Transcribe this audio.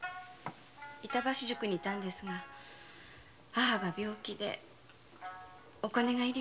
板橋宿に居たんですが母が病気でお金が入り用になったんです。